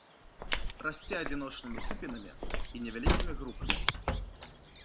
Расце адзіночнымі купінамі і невялікімі групамі.